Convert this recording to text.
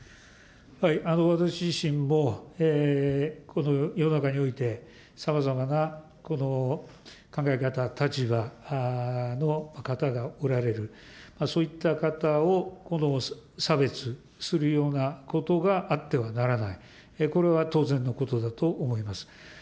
私自身も、この世の中において、さまざまな考え方、立場の方がおられる、そういった方を差別するようなことがあってはならない、これは当然のことだと思います。